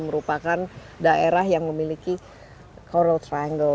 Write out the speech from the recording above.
merupakan daerah yang memiliki coral triangle